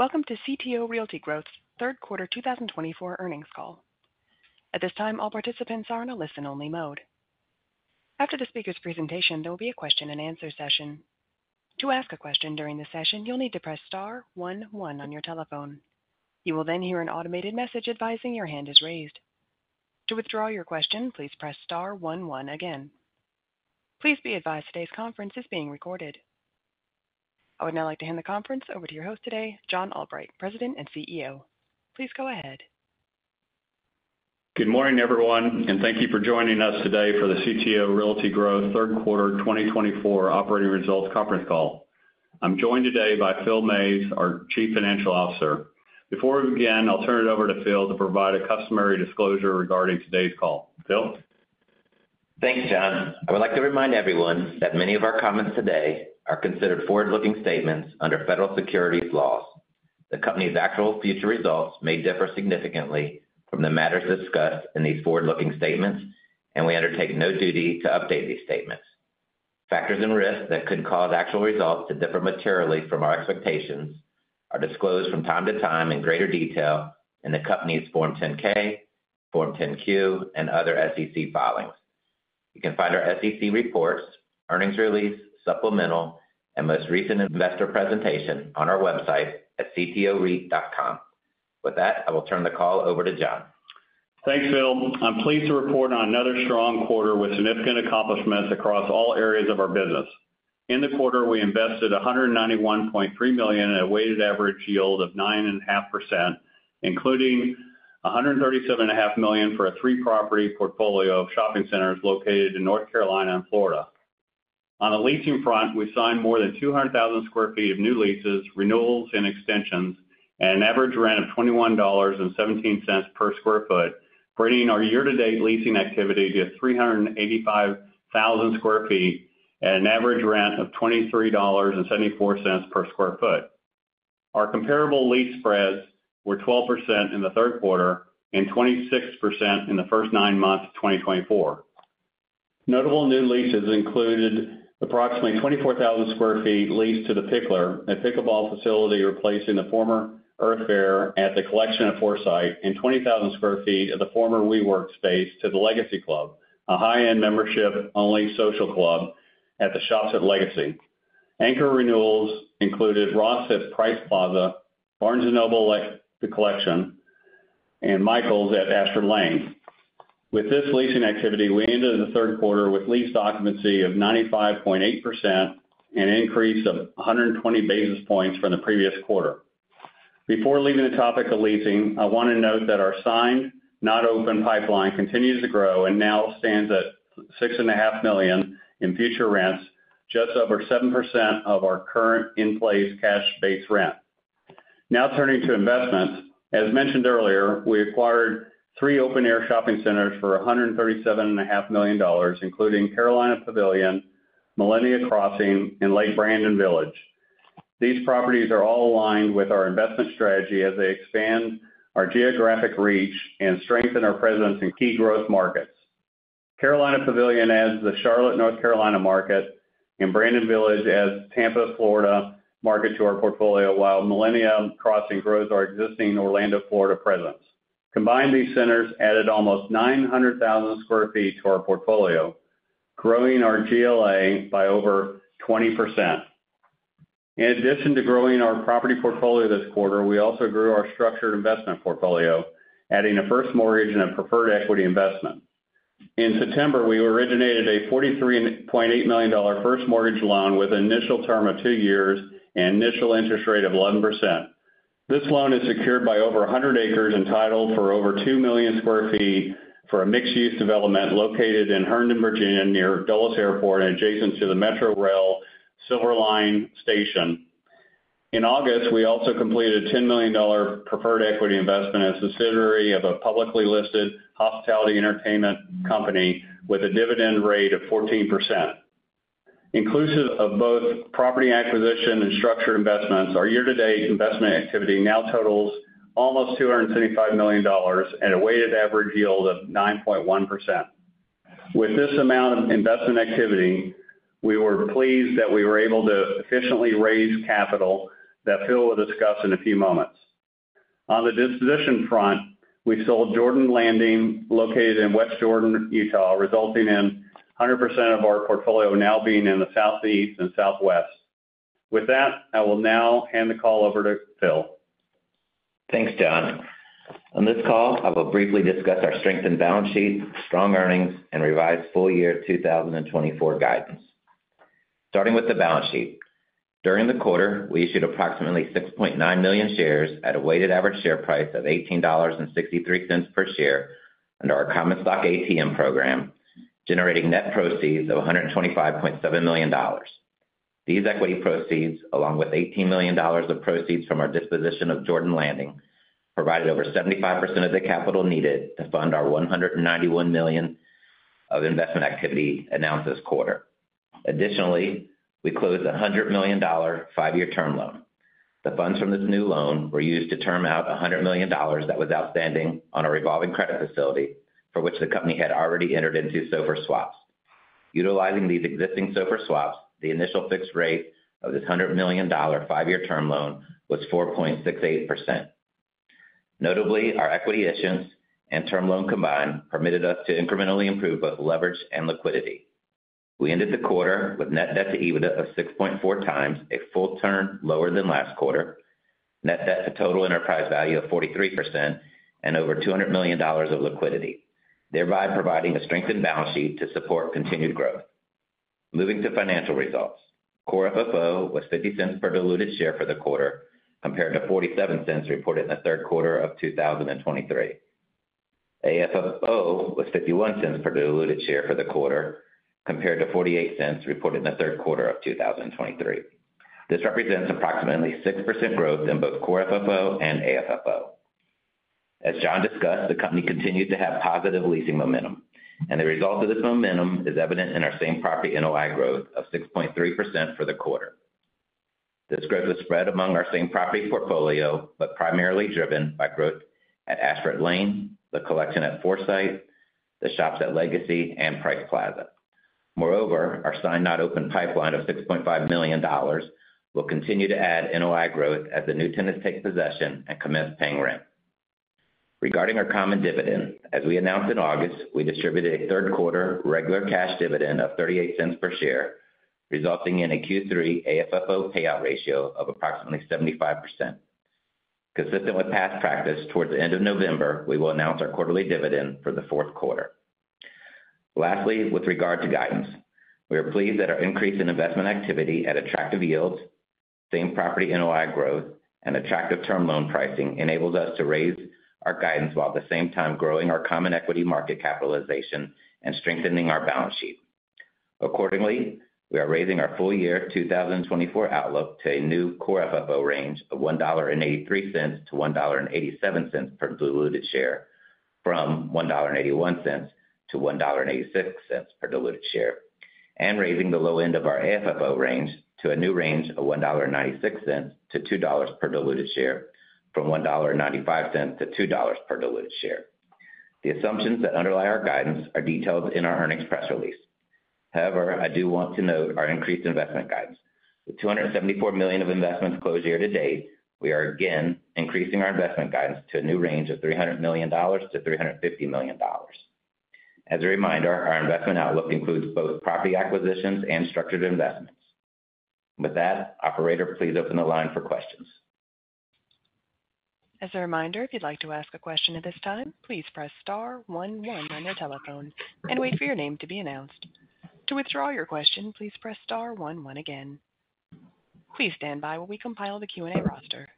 Welcome to CTO Realty Growth's third quarter 2024 earnings call. At this time, all participants are in a listen-only mode. After the speaker's presentation, there will be a question-and-answer session. To ask a question during the session, you'll need to press star one one on your telephone. You will then hear an automated message advising your hand is raised. To withdraw your question, please press star one one again. Please be advised, today's conference is being recorded. I would now like to hand the conference over to your host today, John Albright, President and CEO. Please go ahead. Good morning, everyone, and thank you for joining us today for the CTO Realty Growth third quarter twenty twenty-four operating results conference call. I'm joined today by Phil Mays, our Chief Financial Officer. Before we begin, I'll turn it over to Phil to provide a customary disclosure regarding today's call. Phil? Thanks, John. I would like to remind everyone that many of our comments today are considered forward-looking statements under federal securities laws. The company's actual future results may differ significantly from the matters discussed in these forward-looking statements, and we undertake no duty to update these statements. Factors and risks that could cause actual results to differ materially from our expectations are disclosed from time to time in greater detail in the company's Form 10-K, Form 10-Q, and other SEC filings. You can find our SEC reports, earnings release, supplemental, and most recent investor presentation on our website at ctoreit.com. With that, I will turn the call over to John. Thanks, Phil. I'm pleased to report on another strong quarter with significant accomplishments across all areas of our business. In the quarter, we invested $191.3 million at a weighted average yield of 9.5%, including $137.5 million for a three-property portfolio of shopping centers located in North Carolina and Florida. On the leasing front, we signed more than 200,000 sq ft of new leases, renewals, and extensions at an average rent of $21.17 per sq ft, bringing our year-to-date leasing activity to 385,000 sq ft at an average rent of $23.74 per sq ft. Our comparable lease spreads were 12% in the third quarter and 26% in the first nine months of 2024. Notable new leases included approximately 24,000 sq ft leased to The Picklr, a pickleball facility, replacing the former Earth Fare at The Collection at Forsyth, and 20,000 sq ft of the former WeWork space to The Legacy Club, a high-end, membership-only social club at The Shops at Legacy. Anchor renewals included Ross at Price Plaza, Barnes & Noble at The Collection, and Michaels at Ashford Lane. With this leasing activity, we ended the third quarter with lease occupancy of 95.8%, an increase of 120 basis points from the previous quarter. Before leaving the topic of leasing, I want to note that our signed, not open pipeline continues to grow and now stands at $6.5 million in future rents, just over 7% of our current in-place cash base rent. Now turning to investments. As mentioned earlier, we acquired three open-air shopping centers for $137.5 million, including Carolina Pavilion, Millennium Crossing, and Lake Brandon Village. These properties are all aligned with our investment strategy as they expand our geographic reach and strengthen our presence in key growth markets. Carolina Pavilion adds the Charlotte, North Carolina market, and Brandon Village adds Tampa, Florida market to our portfolio, while Millennium Crossing grows our existing Orlando, Florida, presence. Combined, these centers added almost 900,000 sq ft to our portfolio, growing our GLA by over 20%. In addition to growing our property portfolio this quarter, we also grew our structured investment portfolio, adding a first mortgage and a preferred equity investment. In September, we originated a $43.8 million first mortgage loan with an initial term of two years and initial interest rate of 11%. This loan is secured by over a hundred acres entitled for over two million sq ft for a mixed-use development located in Herndon, Virginia, near Dulles Airport and adjacent to the Metrorail Silver Line station. In August, we also completed a $10 million preferred equity investment as a subsidiary of a publicly listed hospitality entertainment company with a dividend rate of 14%. Inclusive of both property acquisition and structured investments, our year-to-date investment activity now totals almost $275 million at a weighted average yield of 9.1%. With this amount of investment activity, we were pleased that we were able to efficiently raise capital that Phil will discuss in a few moments. On the disposition front, we sold Jordan Landing, located in West Jordan, Utah, resulting in 100% of our portfolio now being in the Southeast and Southwest. With that, I will now hand the call over to Phil. Thanks, John. On this call, I will briefly discuss our strengthened balance sheet, strong earnings, and revised full year 2024 guidance. Starting with the balance sheet, during the quarter, we issued approximately 6.9 million shares at a weighted average share price of $18.63 per share under our Common Stock ATM program, generating net proceeds of $125.7 million. These equity proceeds, along with $18 million of proceeds from our disposition of Jordan Landing, provided over 75% of the capital needed to fund our $191 million of investment activity announced this quarter. Additionally, we closed a $100 million five-year term loan. The funds from this new loan were used to term out $100 million that was outstanding on a revolving credit facility, for which the company had already entered into SOFR swaps. Utilizing these existing SOFR swaps, the initial fixed rate of this $100 million five-year term loan was 4.68%. Notably, our equity issuance and term loan combined permitted us to incrementally improve both leverage and liquidity. We ended the quarter with net debt to EBITDA of 6.4x, a full turn lower than last quarter, net debt to total enterprise value of 43% and over $200 million of liquidity, thereby providing a strengthened balance sheet to support continued growth. Moving to financial results. Core FFO was $0.50 per diluted share for the quarter, compared to $0.47 reported in the third quarter of 2023. AFFO was $0.51 per diluted share for the quarter, compared to $0.48 reported in the third quarter of 2023. This represents approximately 6% growth in both core FFO and AFFO. As John discussed, the company continued to have positive leasing momentum, and the result of this momentum is evident in our same property NOI growth of 6.3% for the quarter. This growth was spread among our same property portfolio, but primarily driven by growth at Ashford Lane, The Collection at Forsyth, The Shops at Legacy, and Price Plaza. Moreover, our signed not open pipeline of $6.5 million will continue to add NOI growth as the new tenants take possession and commence paying rent. Regarding our common dividend, as we announced in August, we distributed a third quarter regular cash dividend of $0.38 per share, resulting in a Q3 AFFO payout ratio of approximately 75%. Consistent with past practice, towards the end of November, we will announce our quarterly dividend for the fourth quarter. Lastly, with regard to guidance, we are pleased that our increase in investment activity at attractive yields, same property NOI growth, and attractive term loan pricing enables us to raise our guidance while at the same time growing our common equity market capitalization and strengthening our balance sheet. Accordingly, we are raising our full-year 2024 outlook to a new Core FFO range of $1.83-$1.87 per diluted share, from $1.81-$1.86 per diluted share, and raising the low end of our AFFO range to a new range of $1.96-$2 per diluted share, from $1.95-$2 per diluted share. The assumptions that underlie our guidance are detailed in our earnings press release. However, I do want to note our increased investment guidance. With $274 million of investments closed year to date, we are again increasing our investment guidance to a new range of $300 million-$350 million. As a reminder, our investment outlook includes both property acquisitions and structured investments. With that, operator, please open the line for questions. As a reminder, if you'd like to ask a question at this time, please press star one one on your telephone and wait for your name to be announced. To withdraw your question, please press star one one again. Please stand by while we compile the Q&A roster.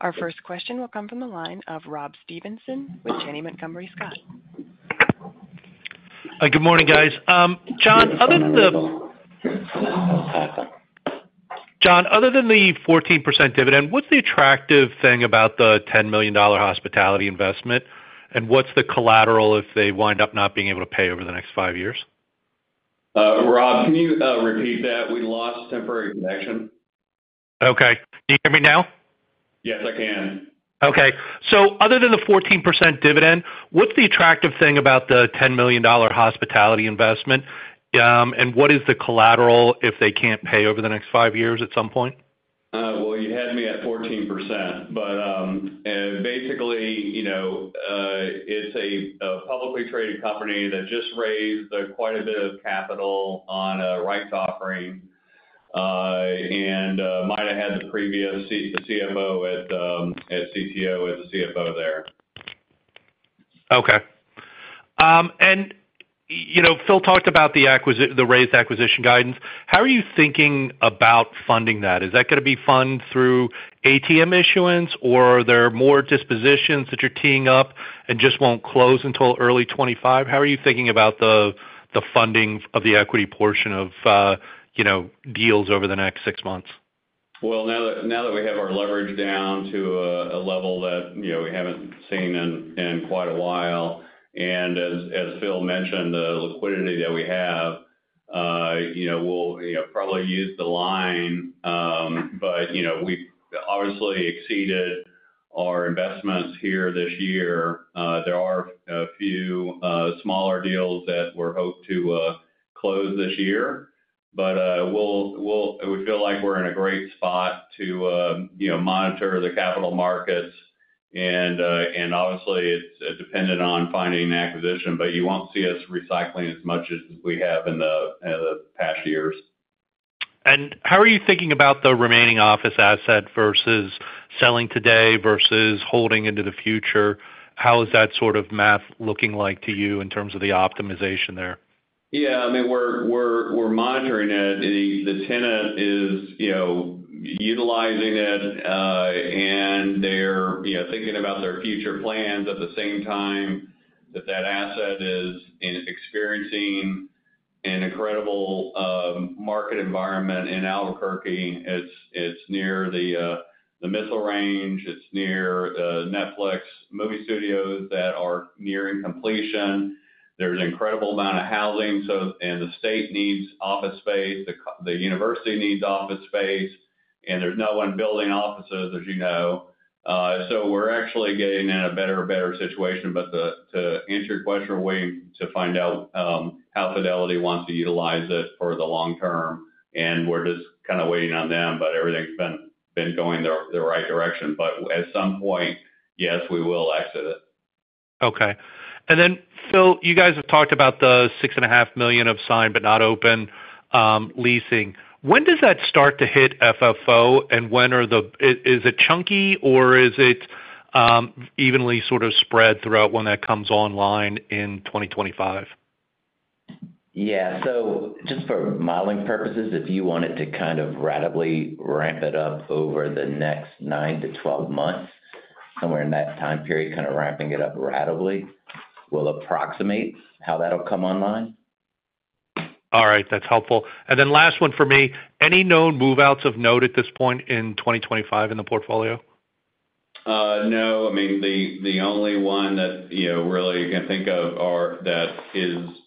Our first question will come from the line of Rob Stevenson with Janney Montgomery Scott. Hi, good morning, guys. John, other than the 14% dividend, what's the attractive thing about the $10 million hospitality investment? And what's the collateral if they wind up not being able to pay over the next five years? Rob, can you repeat that? We lost temporary connection. Okay. Can you hear me now? Yes, I can. Okay, so other than the 14% dividend, what's the attractive thing about the $10 million hospitality investment? And what is the collateral if they can't pay over the next 5 years at some point? Well, you had me at 14%. But basically, you know, it's a publicly traded company that just raised quite a bit of capital on a rights offering, and Mark had the previous CFO at CTO as the CFO there. Okay. And you know, Phil talked about the raised acquisition guidance. How are you thinking about funding that? Is that gonna be funded through ATM issuance, or are there more dispositions that you're teeing up and just won't close until early 2025? How are you thinking about the funding of the equity portion of you know deals over the next six months? Now that we have our leverage down to a level that, you know, we haven't seen in quite a while, and as Phil mentioned, the liquidity that we have, you know, we'll, you know, probably use the line, but you know, we've obviously exceeded our investments here this year. There are a few smaller deals that we're hoped to close this year, but we feel like we're in a great spot to, you know, monitor the capital markets, and obviously, it's dependent on finding the acquisition, but you won't see us recycling as much as we have in the past years. How are you thinking about the remaining office asset versus selling today versus holding into the future? How is that sort of math looking like to you in terms of the optimization there? Yeah, I mean, we're monitoring it. The tenant is, you know, utilizing it, and they're, you know, thinking about their future plans at the same time, that asset is experiencing an incredible market environment in Albuquerque. It's near the missile range. It's near the Netflix movie studios that are nearing completion. There's an incredible amount of housing, so and the state needs office space, the university needs office space, and there's no one building offices, as you know. So we're actually getting in a better and better situation. But to answer your question, we're waiting to find out how Fidelity wants to utilize it for the long term, and we're just kind of waiting on them, but everything's been going the right direction. But at some point, yes, we will exit it. Okay, and then, Phil, you guys have talked about the $6.5 million of signed, but not open, leasing. When does that start to hit FFO? And is it chunky or is it evenly sort of spread throughout when that comes online in 2025? Yeah, so just for modeling purposes, if you wanted to kind of ratably ramp it up over the next nine-12 months, somewhere in that time period, kind of ramping it up ratably, we'll approximate how that'll come online. All right. That's helpful. And then last one for me. Any known move-outs of note at this point in 2025 in the portfolio? No. I mean, the only one that, you know, really I can think of that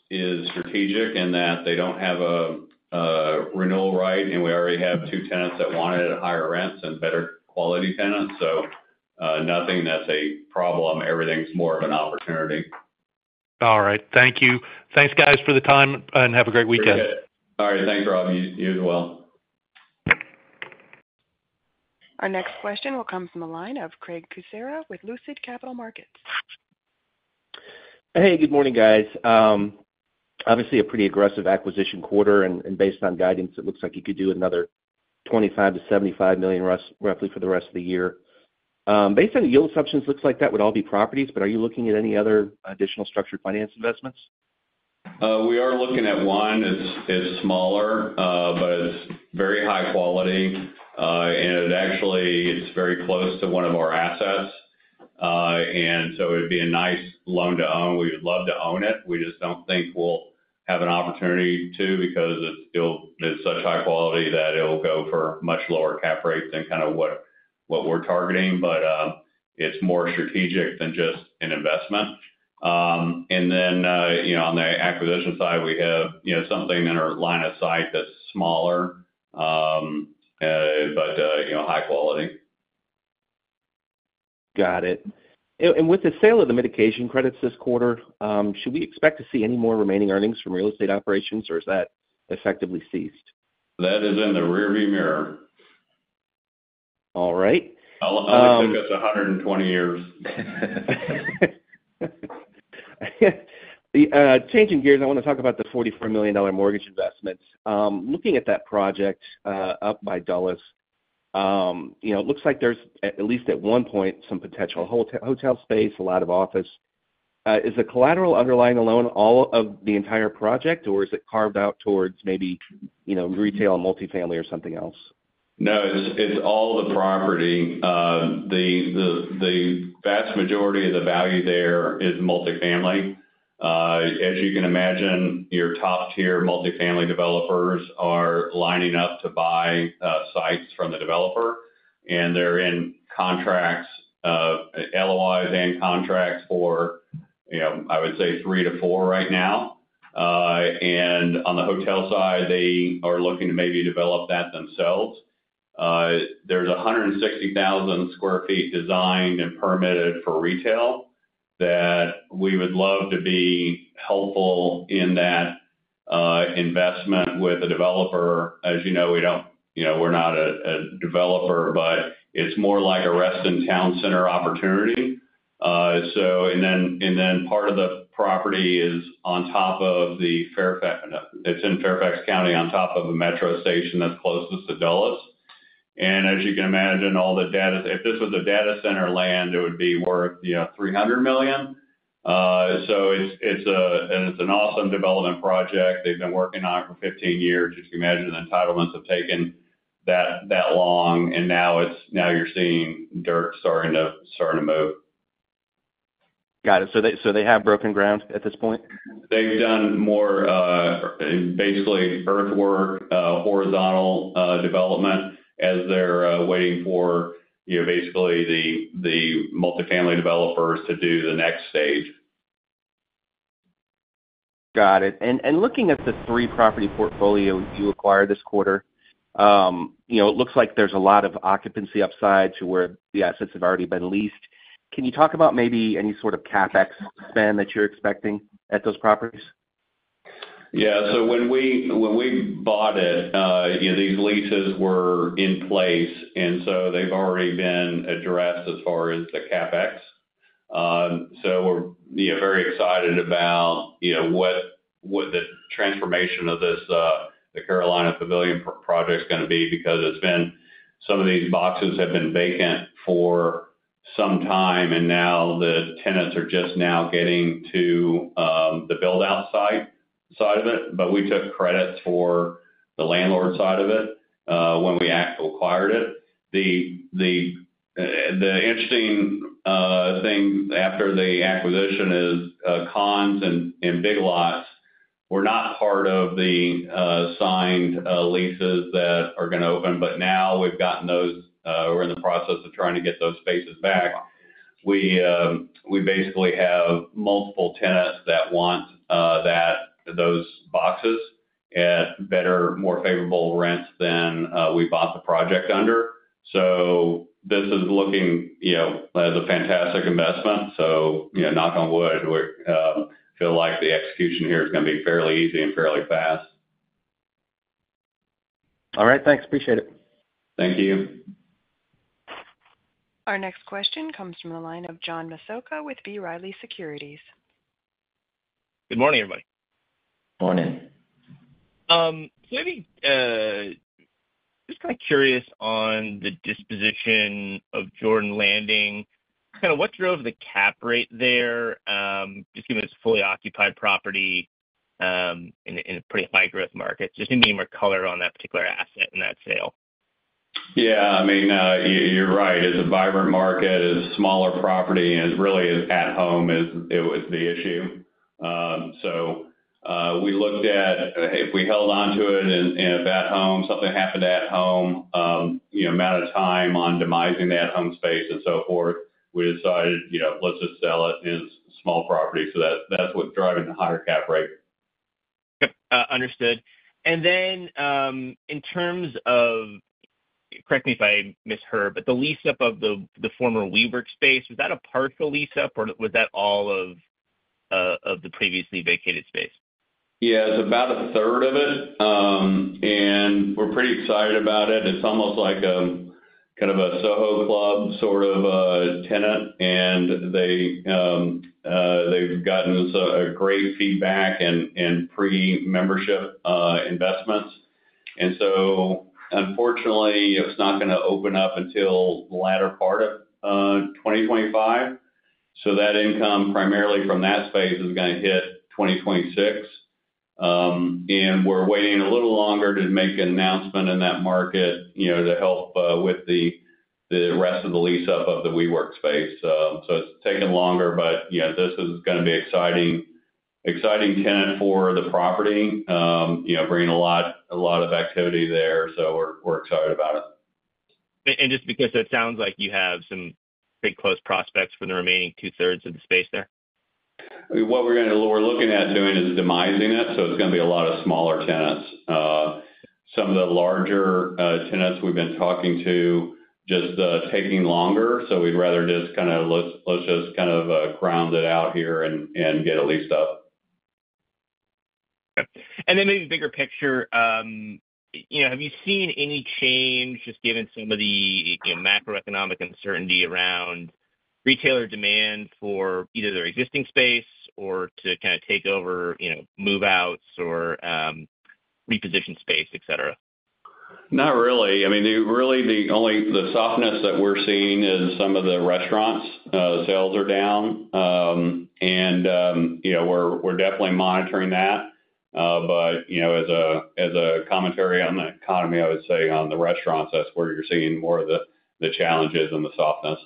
is strategic, and that they don't have a renewal right, and we already have two tenants that want it at higher rents and better quality tenants. So, nothing that's a problem. Everything's more of an opportunity. All right. Thank you. Thanks, guys, for the time, and have a great weekend. All right. Thanks, Rob. You as well. Our next question will come from the line of Craig Kucera with Lucid Capital Markets. Hey, good morning, guys. Obviously, a pretty aggressive acquisition quarter, and based on guidance, it looks like you could do another $25 million-$75 million roughly for the rest of the year. Based on the yield assumptions, looks like that would all be properties, but are you looking at any other additional structured finance investments? We are looking at one. It's smaller, but it's very high quality, and it actually is very close to one of our assets, and so it would be a nice loan to own. We would love to own it. We just don't think we'll have an opportunity to because it's still, It's such high quality that it'll go for much lower cap rates than kind of what we're targeting, but it's more strategic than just an investment. And then, you know, on the acquisition side, we have, you know, something in our line of sight that's smaller, but, you know, high quality. Got it. And with the sale of the mitigation credits this quarter, should we expect to see any more remaining earnings from real estate operations, or is that effectively ceased? That is in the rearview mirror. All right. It only took us a hundred and twenty years. Changing gears, I want to talk about the $44 million mortgage investment. Looking at that project up by Dulles, you know, it looks like there's at least at one point some potential hotel space, a lot of office. Is the collateral underlying the loan all of the entire project, or is it carved out towards maybe, you know, retail and multifamily or something else? No, it's, it's all the property. The vast majority of the value there is multifamily. As you can imagine, your top-tier multifamily developers are lining up to buy sites from the developer, and they're in contracts, LOIs and contracts for, you know, I would say three to four right now. And on the hotel side, they are looking to maybe develop that themselves. There's 160,000 sq ft designed and permitted for retail that we would love to be helpful in that investment with a developer. As you know, we don't. You know, we're not a developer, but it's more like a Reston Town Center opportunity. So and then part of the property is on top of the Fairfax. It's in Fairfax County, on top of a metro station that's closest to Dulles. And as you can imagine, all the data, if this was a data center land, it would be worth, you know, $300 million. So it's an awesome development project they've been working on for 15 years. As you can imagine, the entitlements have taken that long, and now you're seeing dirt starting to move. Got it. So they have broken ground at this point? They've done more, basically, earthwork, horizontal, development, as they're waiting for, you know, basically the multifamily developers to do the next stage. Got it. And looking at the three-property portfolio you acquired this quarter, you know, it looks like there's a lot of occupancy upside to where the assets have already been leased. Can you talk about maybe any sort of CapEx spend that you're expecting at those properties? Yeah. So when we bought it, you know, these leases were in place, and so they've already been addressed as far as the CapEx. So we're, yeah, very excited about, you know, what the transformation of this, the Carolina Pavilion project is gonna be, because it's been—Some of these boxes have been vacant for some time, and now the tenants are just now getting to, the build-out side of it, but we took credits for the landlord side of it, when we acquired it. The interesting thing after the acquisition is, Conn's and Big Lots were not part of the, signed, leases that are gonna open, but now we've gotten those, we're in the process of trying to get those spaces back. We basically have multiple tenants that want those boxes at better, more favorable rents than we bought the project under. So this is looking, you know, as a fantastic investment. So, you know, knock on wood, we feel like the execution here is gonna be fairly easy and fairly fast. All right, thanks. Appreciate it. Thank you. Our next question comes from the line of John Massocca with B. Riley Securities. Good morning, everybody. Morning. So maybe just kind of curious on the disposition of Jordan Landing. Kind of what drove the cap rate there, just given it's a fully occupied property in a pretty high-growth market? Just any more color on that particular asset and that sale. Yeah, I mean, you, you're right. It's a vibrant market, it is a smaller property, and really is At Home is it was the issue. So, we looked at if we held onto it in At Home, something happened to At Home, you know, amount of time on demising the At Home space and so forth, we decided, you know, let's just sell it. It's a small property, so that, that's what's driving the higher cap rate. Yep, understood. And then, in terms of—Correct me if I misheard, but the lease-up of the former WeWork space, was that a partial lease-up, or was that all of the previously vacated space? Yeah, it's about a third of it. And we're pretty excited about it. It's almost like, kind of a Soho Club sort of tenant, and they, they've gotten us great feedback and free membership investments. And so unfortunately, it's not gonna open up until the latter part of twenty twenty-five. So that income, primarily from that space, is gonna hit twenty twenty-six. And we're waiting a little longer to make an announcement in that market, you know, to help with the rest of the lease-up of the WeWork space. So it's taking longer, but yeah, this is gonna be exciting, exciting tenant for the property, you know, bringing a lot, a lot of activity there, so we're excited about it. And, just because it sounds like you have some pretty close prospects for the remaining two-thirds of the space there? What we're looking at doing is demising it, so it's gonna be a lot of smaller tenants. Some of the larger tenants we've been talking to, just taking longer, so we'd rather just kind of let's just kind of ground it out here and get it leased up. Okay. And then maybe bigger picture, you know, have you seen any change, just given some of the, you know, macroeconomic uncertainty around retailer demand for either their existing space or to kind of take over, you know, move-outs or, reposition space, et cetera? Not really. I mean, the only softness that we're seeing is some of the restaurants, sales are down, and you know, we're definitely monitoring that, but you know, as a commentary on the economy, I would say on the restaurants, that's where you're seeing more of the challenges and the softness.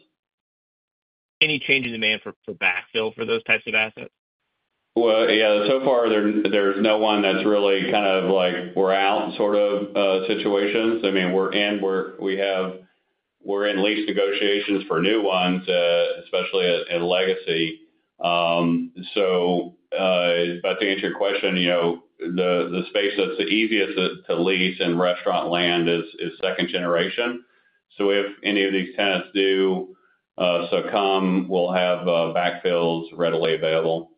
Any change in demand for backfill for those types of assets? Well, yeah, so far there, there's no one that's really kind of like, we're out, sort of situations. I mean, we're in lease negotiations for new ones, especially at Legacy. So, but to answer your question, you know, the space that's the easiest to lease in restaurant land is second generation. So if any of these tenants do succumb, we'll have backfills readily available.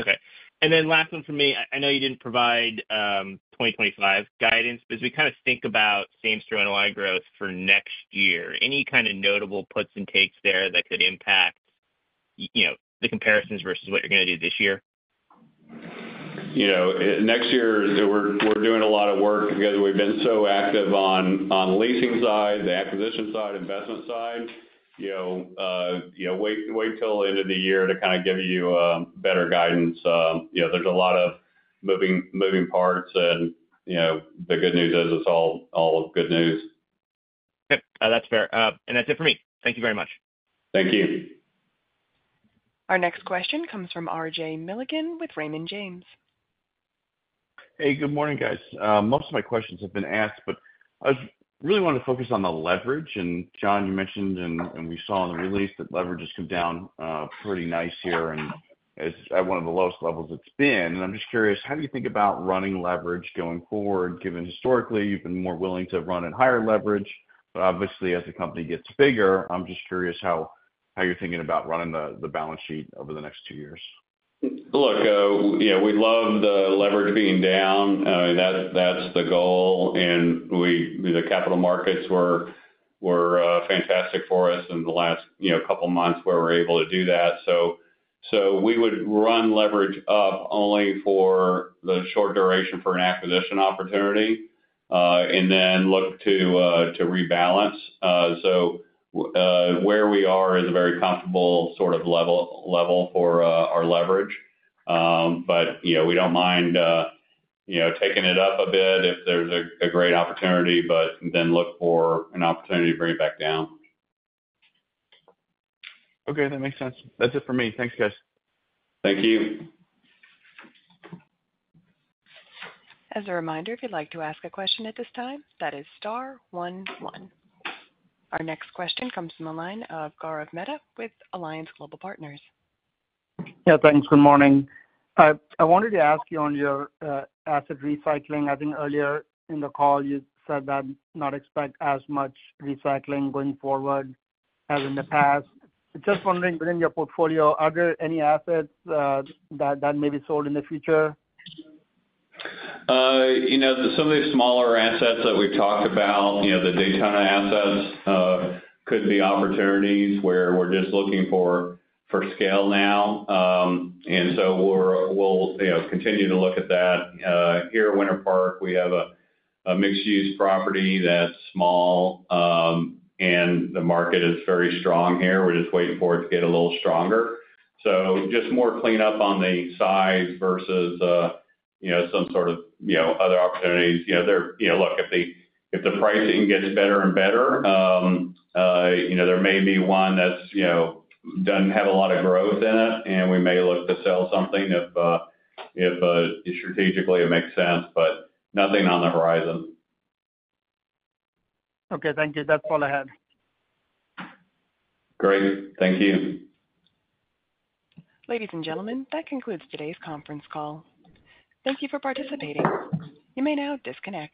Okay. And then last one from me. I know you didn't provide 2025 guidance, but as we kind of think about same-store NOI growth for next year, any kind of notable puts and takes there that could impact, you know, the comparisons versus what you're gonna do this year? You know, next year, we're doing a lot of work because we've been so active on the leasing side, the acquisition side, investment side. You know, you know, wait till the end of the year to kind of give you better guidance. You know, there's a lot of moving parts and, you know, the good news is it's all good news. Yep. That's fair, and that's it for me. Thank you very much. Thank you. Our next question comes from RJ Milligan with Raymond James. Hey, good morning, guys. Most of my questions have been asked, but I just really want to focus on the leverage. And John, you mentioned, we saw in the release that leverage has come down pretty nice here, and it's at one of the lowest levels it's been. And I'm just curious, how do you think about running leverage going forward, given historically you've been more willing to run at higher leverage? But obviously, as the company gets bigger, I'm just curious how you're thinking about running the balance sheet over the next two years. Look, you know, we love the leverage being down. That, that's the goal, and we—the capital markets were fantastic for us in the last, you know, couple months, where we're able to do that. So we would run leverage up only for the short duration for an acquisition opportunity, and then look to rebalance. So where we are is a very comfortable sort of level for our leverage. But, you know, we don't mind, you know, taking it up a bit if there's a great opportunity, but then look for an opportunity to bring it back down. Okay, that makes sense. That's it for me. Thanks, guys. Thank you. As a reminder, if you'd like to ask a question at this time, that is star one one. Our next question comes from the line of Gaurav Mehta with Alliance Global Partners. Yeah, thanks. Good morning. I wanted to ask you on your asset recycling. I think earlier in the call you said that not expect as much recycling going forward as in the past. Just wondering, within your portfolio, are there any assets that may be sold in the future? You know, some of the smaller assets that we've talked about, you know, the Daytona assets, could be opportunities where we're just looking for scale now. And so we'll, you know, continue to look at that. Here at Winter Park, we have a mixed-use property that's small, and the market is very strong here. We're just waiting for it to get a little stronger. So just more cleanup on the size versus, you know, some sort of, you know, other opportunities. You know, there you know, look, if the pricing gets better and better, you know, there may be one that's, you know, doesn't have a lot of growth in it, and we may look to sell something if strategically it makes sense, but nothing on the horizon. Okay, thank you. That's all I had. Great. Thank you. Ladies and gentlemen, that concludes today's conference call. Thank you for participating. You may now disconnect.